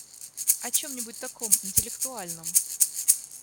О чем-нибудь таком, интеллектуальном.